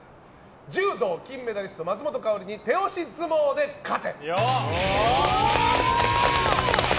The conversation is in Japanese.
柔道金メダリスト松本薫に手押し相撲で勝て。